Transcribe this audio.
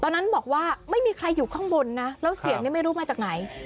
ตอนนั้นบอกว่าไม่มีใครอยู่ข้างบนนะแล้วเสียงนี่ไม่รู้มาจากไหน